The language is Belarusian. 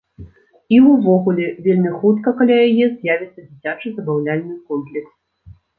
І увогуле, вельмі хутка каля яе з'явіцца дзіцячы забаўляльны комплекс.